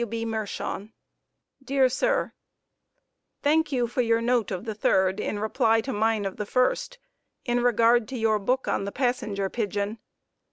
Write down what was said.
W. B. Mershon: Dear Sir: Thank you for your note of the third in reply to mine of the first, in regard to your book on the Passenger Pigeon.